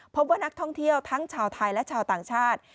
พบว่านักท่องเที่ยวทั้งชาวไทยและชาวต่างชาติ